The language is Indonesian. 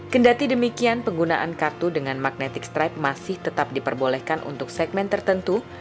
kendati demikian penggunaan kartu dengan magnetic stripe masih tetap diperbolehkan untuk segmen tertentu